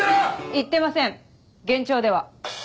言ってません幻聴では？